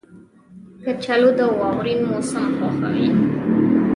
کچالو د واورین موسم خوښوي